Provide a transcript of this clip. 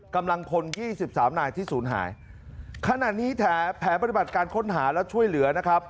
กำลังพล๒๓นายที่สูญหายขณะนี้แถวแผนปฏิบัติการค้นหาและช่วยเหลือนะครับ